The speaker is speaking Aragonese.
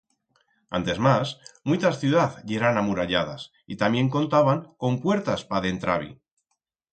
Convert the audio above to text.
Antes mas, muitas ciudaz yeran amuralladas y tamién contaban con puertas pa dentrar-bi.